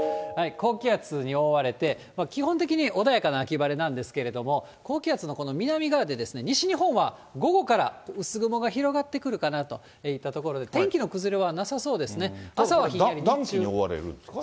高気圧に覆われて、基本的に穏やかな秋晴れなんですけれども、高気圧の南側で西日本は午後から薄雲が広がってくるかなといったところで、天気の崩れはなさそうですね。